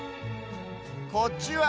こっちは。